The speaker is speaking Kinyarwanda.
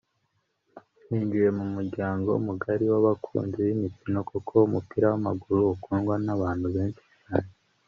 Ninjiye mu muryango mugari w’abakunzi b’imikino kuko umupira w’amaguru ukundwa n’abantu benshi cyane”